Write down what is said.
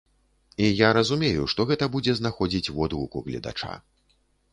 І я разумею, што гэта будзе знаходзіць водгук у гледача.